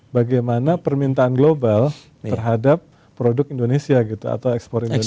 bagaimana permintaan global terhadap produk indonesia gitu atau ekspor indonesia